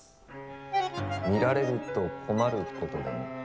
見られると困ることでも？